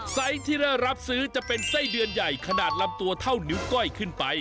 ไซส์ที่ได้รับซื้อจะเป็นไส้เดือนใหญ่ขนาดลำตัวเท่านิ้วก้อยขึ้นไป